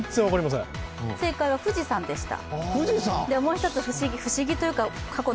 正解は富士山でした。